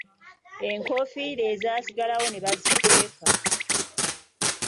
Enkofiira ezaasigalawo ne bazikweka.